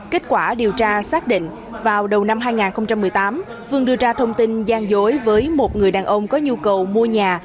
kết quả điều tra xác định vào đầu năm hai nghìn một mươi tám phương đưa ra thông tin gian dối với một người đàn ông có nhu cầu mua nhà